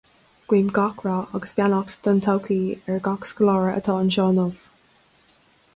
Guím gach rath agus beannacht don todhchaí ar gach scoláire atá anseo inniu.